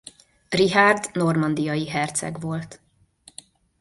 Richárd normandiai herceg volt.